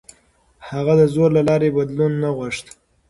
هغه د زور له لارې بدلون نه غوښت.